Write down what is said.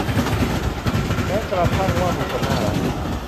แม้กระทั่งว่ามีคนน่ารัก